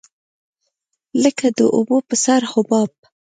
لکه د اوبو په سر حباب.